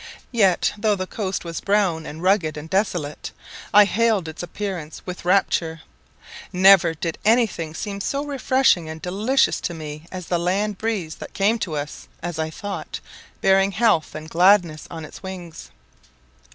Yet though the coast was brown, and rugged, and desolate, I hailed its appearance with rapture. Never did any thing seem so refreshing and delicious to me as the land breeze that came to us, as I thought, bearing health and gladness on its wings.